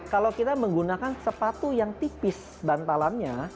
kalau kita menggunakan sepatu yang tipis bantalannya